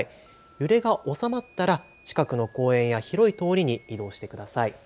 揺れが収まったら近くの公園や広い通りに移動してください。